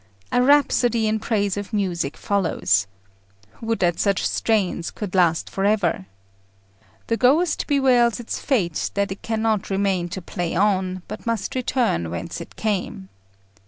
A rhapsody in praise of music follows. Would that such strains could last for ever! The ghost bewails its fate that it cannot remain to play on, but must return whence it came.